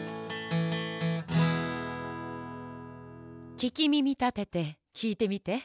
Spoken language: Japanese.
ききみみたててきいてみて！